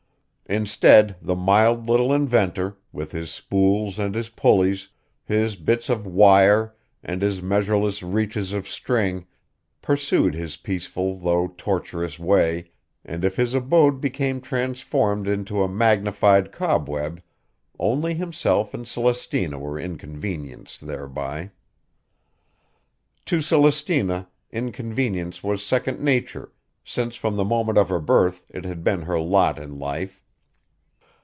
Instead the mild little inventor, with his spools and his pulleys, his bits of wire and his measureless reaches of string, pursued his peaceful though tortuous way, and if his abode became transformed into a magnified cobweb only himself and Celestina were inconvenienced thereby. To Celestina inconvenience was second nature since from the moment of her birth it had been her lot in life.